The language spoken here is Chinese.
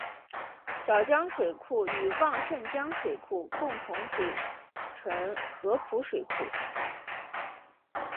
小江水库与旺盛江水库共同组成合浦水库。